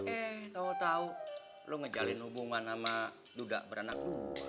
eh tau tau lo ngejalin hubungan sama luda beranak lo